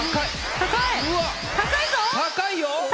高いよ！